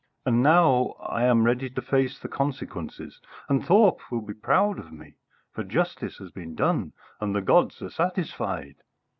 And now I am ready to face the consequences, and Thorpe will be proud of me. For justice has been done and the gods are satisfied."